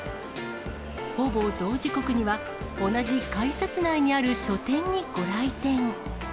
ほぼ同時刻には、同じ改札内にある書店にご来店。